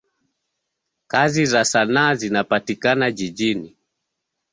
Kazi za sanaa zinapatikana jijini.